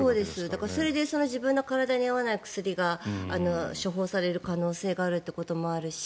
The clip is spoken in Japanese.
だからそれで自分の体に合わない薬が処方される可能性があるということもあるし